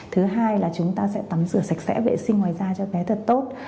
thứ hai là chúng ta sẽ tắm rửa sạch sẽ vệ sinh ngoài da cho bé thật tốt